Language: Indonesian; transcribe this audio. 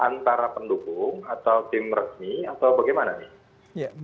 antara pendukung atau tim resmi atau bagaimana nih